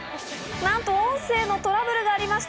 なんと音声のトラブルがありました。